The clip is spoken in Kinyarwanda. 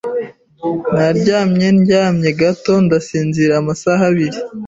Naryamye ndyamye gato ndasinzira amasaha abiri.